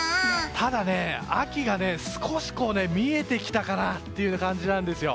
ただね、秋が少し見えてきたかなという感じなんですよ。